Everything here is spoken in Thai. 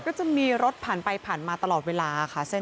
ก็จะมีรถผ่านไปผ่านมาตลอดเวลาอ่ะคะเสร็จเนี่ย